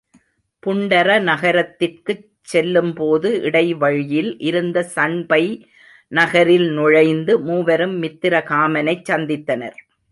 புண்டர நகரத்திற்குச் செல்லும் போது இடைவழியில் இருந்த சண்பை நகரில் நுழைந்து மூவரும் மித்திரகாமனைச் சந்தித்தனர்.